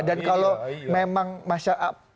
dan kalau memang masyarakat